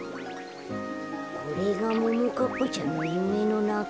これがももかっぱちゃんのゆめのなか？